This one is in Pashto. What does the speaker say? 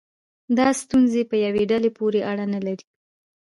دا ستونزې په یوې ډلې پورې اړه نه لري.